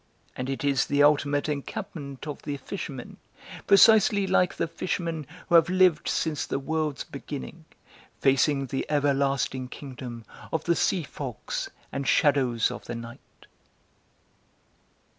And it is the ultimate encampment of the fishermen, precisely like the fishermen who have lived since the world's beginning, facing the everlasting kingdom of the sea fogs and shadows of the night."